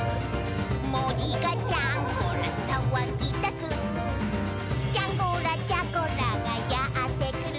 「もりがジャンゴラさわぎだす」「ジャンゴラ・ジャゴラがやってくる」